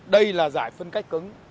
đây là giải phân cách cứng